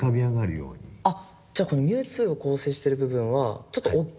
あっじゃあこのミュウツーを構成してる部分はちょっと大きい。